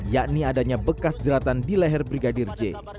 yakni adanya bekas jeratan di leher brigadir j